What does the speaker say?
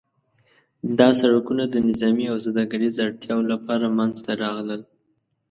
دا سړکونه د نظامي او سوداګریز اړتیاوو لپاره منځته راغلل.